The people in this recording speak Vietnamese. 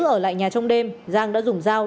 ở lại nhà trong đêm giang đã dùng dao